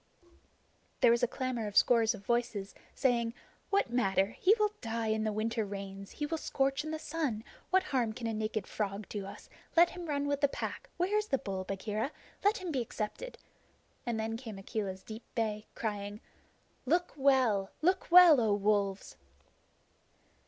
There was a clamor of scores of voices, saying: "What matter? He will die in the winter rains. He will scorch in the sun. What harm can a naked frog do us? Let him run with the Pack. Where is the bull, Bagheera? Let him be accepted." And then came Akela's deep bay, crying: "Look well look well, O Wolves!"